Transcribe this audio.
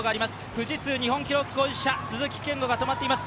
富士通、日本記録保持者、鈴木健吾が止まっています。